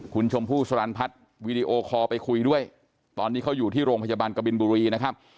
คุณชมพู่สลันพัฒน์วีดีโอคอลไปคุยด้วยตอนนี้เขาอยู่ที่โรงพยาบาลกบินบุรีนะครับ